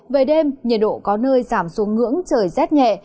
về đêm nhiệt độ có nơi giảm xuống ngưỡng trời rét nhẹ